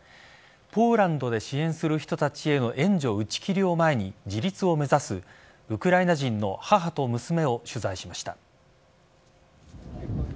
ポーランドで支援する人たちへの援助打ち切りを前に自立を目指すウクライナ人の母と娘を取材しました。